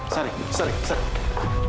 sari sari sari